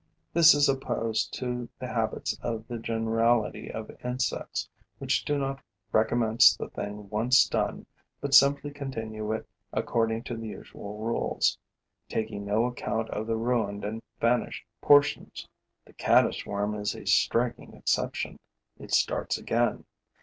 This is opposed to the habits of the generality of insects, which do not recommence the thing once done, but simply continue it according to the usual rules, taking no account of the ruined or vanished portions. The caddis worm is a striking exception: it starts again.